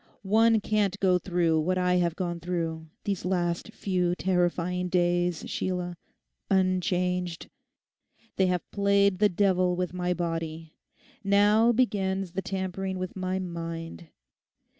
One can't go through what I have gone through these last few terrifying days, Sheila, unchanged. They have played the devil with my body; now begins the tampering with my mind.